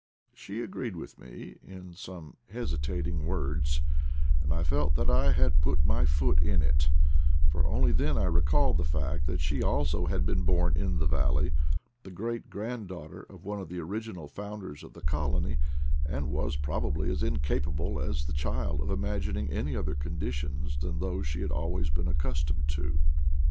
She agreed with me in some hesitating words, and I felt that I had put my foot in it ; for only then I recalled the fact that she also had been born in the valley — the great granddaughter of one of the original founders of the colony — and was probably as incapable as the child of imagining any other conditions than those she had always been accustomed to.